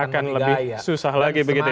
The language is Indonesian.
akan lebih susah lagi begitu ya